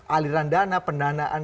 aliran dana pendanaan